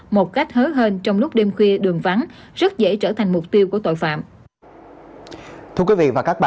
một cách hớ hên trong lúc đêm khuya đường vắng rất dễ trở thành mục tiêu của tội phạm